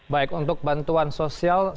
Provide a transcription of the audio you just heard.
baik untuk bantuan sosial